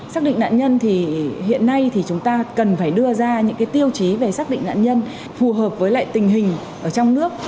xác định nạn nhân thì hiện nay thì chúng ta cần phải đưa ra những tiêu chí về xác định nạn nhân phù hợp với lại tình hình ở trong nước